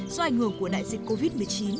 do ảnh hưởng của đại dịch covid một mươi chín